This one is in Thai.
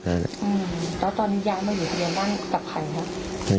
อืมแล้วตอนนี้ย้ายมาอยู่ทะเบียนบ้านกับใครครับ